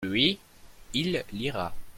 lui, il lira.